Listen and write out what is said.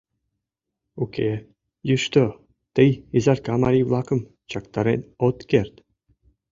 Уке, йӱштӧ, тый Изарка марий-влакым чактарен от керт.